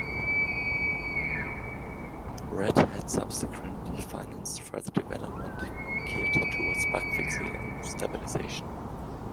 Red Hat subsequently financed further development geared towards bug-fixing and stabilization.